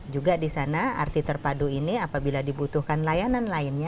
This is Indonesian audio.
juga di sana arti terpadu ini apabila dibutuhkan layanan lainnya